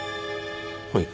はい。